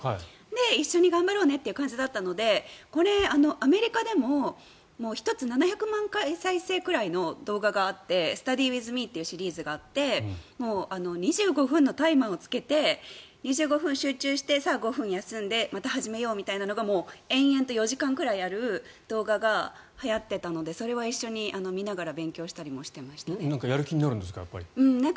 一緒に頑張ろうねという感じだったのでアメリカでも１つ、７００万回再生くらいの動画があってスタディー・ウィズ・ミーっていうシリーズがあって２５分のタイマーをつけて２５分集中して５分休んでさあ始めようみたいなのがもう延々と４時間くらいある動画がはやっていたのでそれは一緒に見ながらやる気になるんですか？